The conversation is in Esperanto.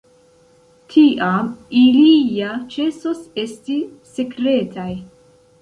Tiam ili ja ĉesos esti sekretaj.